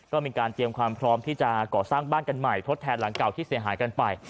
ก็มีการเตรียมความพร้อมที่จะก่อสร้างบ้านกันใหม่ทดแทนหลังเก่าที่เสียหายกันไป